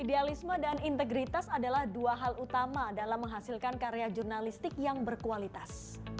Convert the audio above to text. idealisme dan integritas adalah dua hal utama dalam menghasilkan karya jurnalistik yang berkualitas